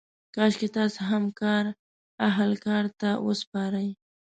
کاشکې تاسې هم کار اهل کار ته وسپارئ.